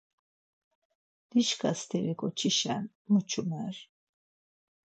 Dişka steri ǩoçişen mu çumer?